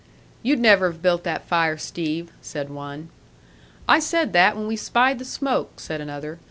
"You'd never have built that fire, Steve," said one. "I said that when we spied the smoke," said another.